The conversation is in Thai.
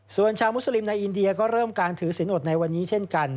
ส่วนชาวมุสลิมในอินเดียก็เริ่มการถือสินอดในวันนี้เช่นกัน